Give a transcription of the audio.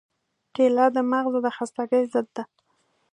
کېله د مغزو د خستګۍ ضد ده.